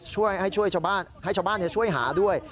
ให้ชาวบ้านช่วยหาด้วย